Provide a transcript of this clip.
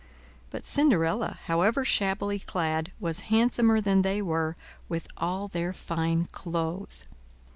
But Cinderella, however, shabbily clad, was handsomer than they were with all their fine clothes.